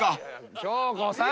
京子さん！